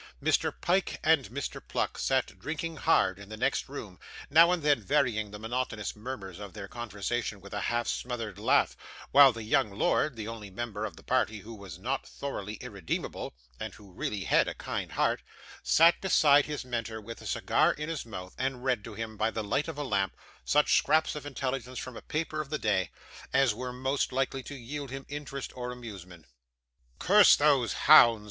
Mr. Pyke and Mr. Pluck sat drinking hard in the next room, now and then varying the monotonous murmurs of their conversation with a half smothered laugh, while the young lord the only member of the party who was not thoroughly irredeemable, and who really had a kind heart sat beside his Mentor, with a cigar in his mouth, and read to him, by the light of a lamp, such scraps of intelligence from a paper of the day, as were most likely to yield him interest or amusement. 'Curse those hounds!